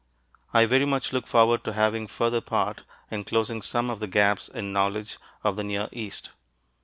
I very much look forward to having further part in closing some of the gaps in knowledge of the Near East.